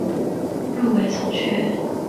入围从缺。